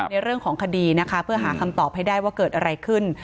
ในเรื่องของคดีนะคะเพื่อหาคำตอบให้ได้ว่าเกิดอะไรขึ้น